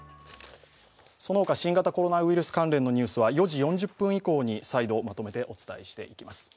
そのほか、新型コロナウイルス関連のニュースは４時４０分以降に再度まとめてお伝えしていきます。